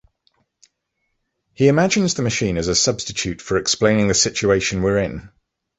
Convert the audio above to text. He imagines the machine as a substitute for explaining the situation we're in.